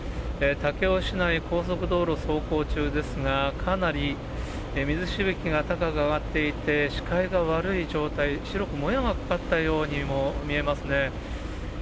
武雄市内、高速道路走行中ですが、かなり水しぶきが高く上がっていて、視界が悪い状態、白くもやがかかったようにも見えますね。